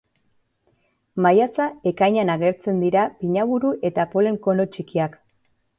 Maiatza-ekainean agertzen dira pinaburu eta polen-kono txikiak.